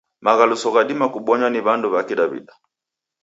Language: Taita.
Maghaluso ghadima kubonywa ni w'andu wa kawaida.